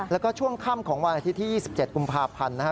แล้วก็ช่วงค่ำของวันอาทิตย์ที่๒๗กุมภาพันธ์นะฮะ